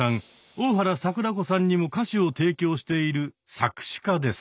大原櫻子さんにも歌詞を提供している作詞家です。